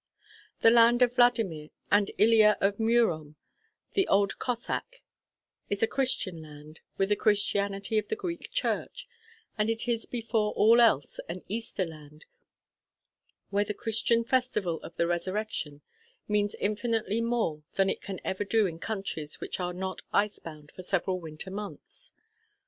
The land of Vladimir and Ilya of Murom the Old Cossáck is a Christian land, with the Christianity of the Greek Church, and it is before all else an Easter land, where the Christian Festival of the Resurrection means infinitely more than it can ever do in countries which are not ice bound for several winter months.